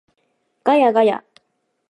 ガヤガヤ